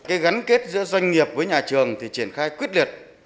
cái gắn kết giữa doanh nghiệp với nhà trường thì triển khai quyết liệt